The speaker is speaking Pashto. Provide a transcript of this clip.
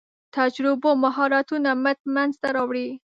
تجربو مهارتونو مټ منځ ته راوړي.